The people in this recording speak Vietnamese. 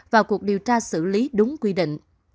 vào cuộc điều tra xử lý đúng quy định